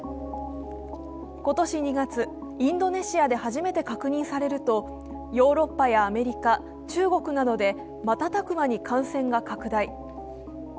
今年２月、インドネシアで初めて確認されるとヨーロッパやアメリカ、中国などで瞬く間に感染が拡大。